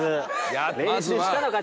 練習したのか？